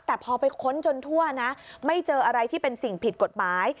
แต่พอไปค้นจนทั่วนะไม่เจออะไรที่เป็นสิ่งผิดกฎหมาย